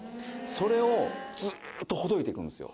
それを、ずーっとほどいていくんですよ。